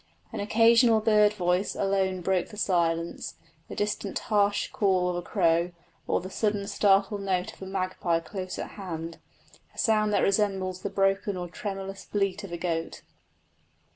An occasional bird voice alone broke the silence the distant harsh call of a crow, or the sudden startled note of a magpie close at hand, a sound that resembles the broken or tremulous bleat of a goat.